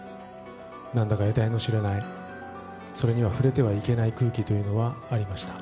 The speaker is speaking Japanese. なんだか得体の知れない、それには触れてはいけない空気というのはありました。